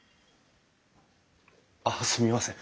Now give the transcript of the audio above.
あっすみません。